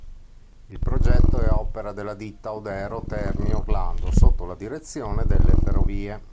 Il progetto è opera della Ditta Odero Terni Orlando sotto la direzione delle Ferrovie.